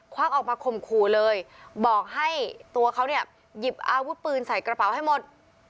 วักออกมาข่มขู่เลยบอกให้ตัวเขาเนี่ยหยิบอาวุธปืนใส่กระเป๋าให้หมด